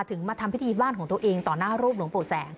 มาทำพิธีบ้านของตัวเองต่อหน้ารูปหลวงปู่แสง